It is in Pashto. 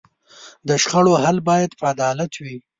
د شخړو حل باید په عدالت وي.